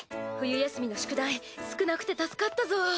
冬休みの宿題少なくて助かったぞ。